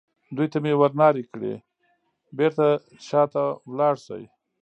دوی ته مې ور نارې کړې: بېرته شا ته ولاړ شئ.